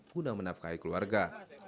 kuna menafkahi keluarga